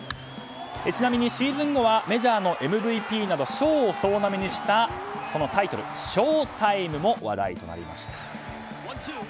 ちなみにシーズン後はメジャーのＭＶＰ賞など賞を総なめにしたそのタイトル、賞タイムも話題となりました。